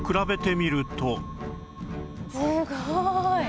すごーい！